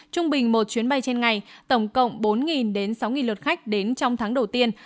trung bình một chuyến bay trên ngày tổng cộng bốn đến sáu lượt khách đến trong tháng đầu tiên